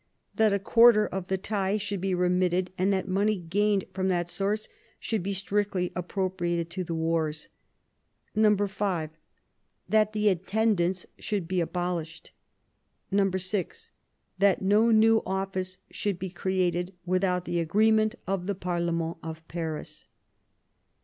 That a quarter of the taUle should be remitted, and that money gained from that source should be strictly appropriated to the wars. 5. That the intendants should be abolished. 6. That no new office should be created without the agreement of the parlement of Paris.